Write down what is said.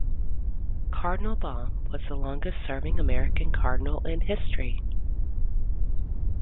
Cardinal Baum was the longest-serving American cardinal in history.